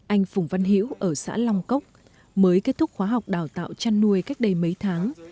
anh phùng văn hiễu ở xã long cốc mới kết thúc khóa học đào tạo chăn nuôi cách đây mấy tháng